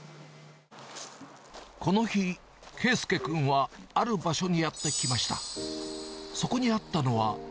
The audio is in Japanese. この日、佳祐君はある場所にやって来ました。